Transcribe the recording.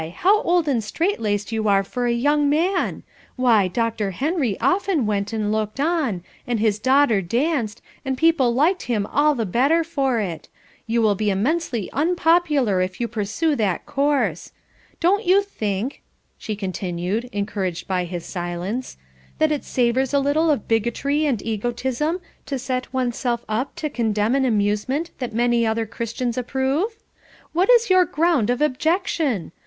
How old and strait laced you are for a young man; why Dr. Henry often went and looked on, and his daughter danced, and people liked him all the better for it. You will be immensely unpopular if you pursue that course. Don't you think," she continued, encouraged by his silence, "that it savours a little of bigotry and egotism to set one's self up to condemn an amusement that many other Christians approve? What is your ground of objection?